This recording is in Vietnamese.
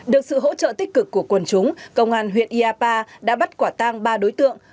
được sự hỗ trợ tích cực của quần chúng công an huyện iapa đã bắt quả tang ba đối tượng